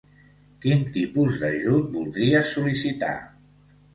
Quin tipus d'ajut voldries sol·licitar?